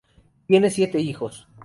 Tienen siete hijos.